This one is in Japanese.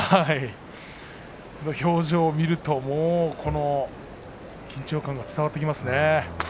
表情を見ると緊張感が伝わってきますね。